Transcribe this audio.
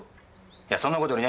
いやそんな事よりね